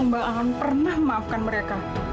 mbak aan pernah maafkan mereka